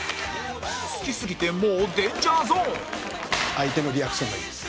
好きすぎてもう『ＤａｎｇｅｒＺｏｎｅ』相手のリアクションがいいです。